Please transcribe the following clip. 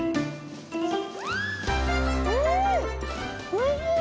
おいしい！